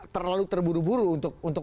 terlalu terburu buru untuk